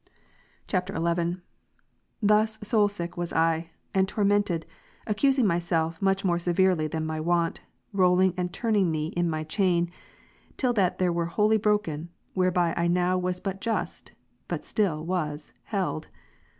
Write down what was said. [XL] 25. Thus soul sick was I, and tormented, accusing myself much more severely than my wont, rolling and turning me in my chain, till that were wholly broken, whereby I now was but just, but still was, held.